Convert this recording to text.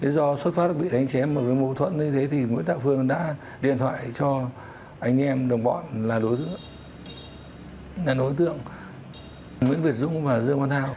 do xuất phát bị đánh chém một thuẫn như thế thì nguyễn tạ phương đã điện thoại cho anh em đồng bọn là đối tượng nguyễn việt dũng và dương văn thao